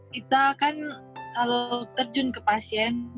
kita kan kalau terjun ke pasien